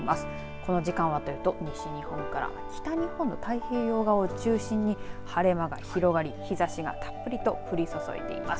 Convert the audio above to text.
この時間はというと西日本から北日本の太平洋側を中心に晴れ間が広がり、日ざしがたっぷりと降り注いでいます。